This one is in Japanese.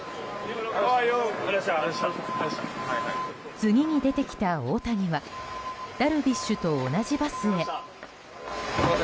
次に出てきた大谷はダルビッシュと同じバスへ。